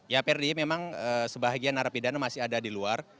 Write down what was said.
ya perdi memang sebagian narapidana masih ada di luar